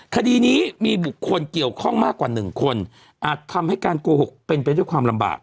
คดีนี้มีบุคคลเกี่ยวข้องมากกว่า๑คนอาจทำให้การโกหกเป็นไปด้วยความลำบาก